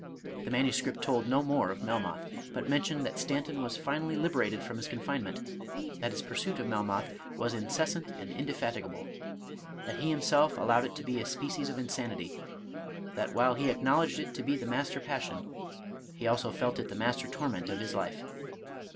The manuscript told no more of Melmoth, but mentioned that Stanton was finally liberated from his confinement, — ^that his pursuit of Melmoth was incessant and indefatigable, — ^that he himself allowed it to be a species of insanity, — that while he acknowledged it to be the mas ter passion, he also felt it the master torment of his life.